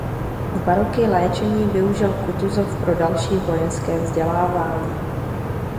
Dva roky léčení využil Kutuzov pro další vojenské vzdělávání.